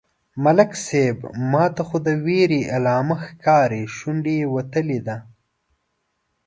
_ملک صيب! ماته خو د وېرې علامه ښکاري، شونډه يې وتلې ده.